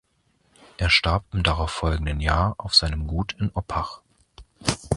Er starb im darauffolgenden Jahr auf seinem Gut in Oppach.